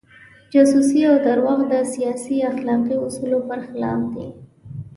جاسوسي او درواغ د سیاست اخلاقي اصولو پر خلاف دي.